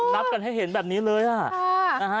นับกันให้เห็นแบบนี้เลยอะ